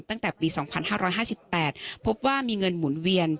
ตั้งแต่ปีสองพันห้าร้อยห้าสิบแปดพบว่ามีเงินหมุนเวียน